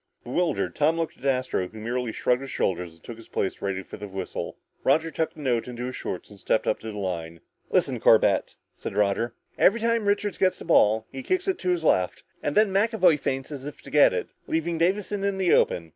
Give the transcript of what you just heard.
Bewildered, Tom looked at Astro who merely shrugged his shoulders and took his place ready for the whistle. Roger tucked the note into his shorts and stepped up to the line. "Listen, Corbett," said Roger, "every time Richards gets the ball, he kicks it to his left, and then McAvoy feints as if to get it, leaving Davison in the open.